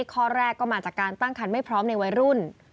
ข้อแรกก็มาจากการตั้งคันไม่พร้อมในวัยรุ่น